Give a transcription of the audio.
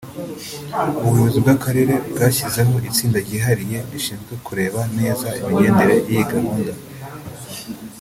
ubuyobozi bw’Akarere bwashyizeho itsinda ryihariye rishinzwe kureba neza imigendekere y’iyi gahunda